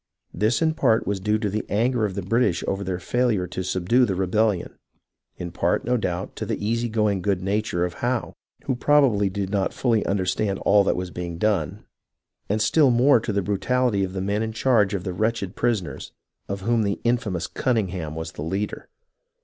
This in part was due to the anger of the British over their failure to subdue the rebellion ; in part, no doubt, to the easy going good nature of Howe, who probably did not fully understand all that was being done, and still more to the brutality of the men in charge of the wretched pris oners, of whom the infamous Cunningham was the leader.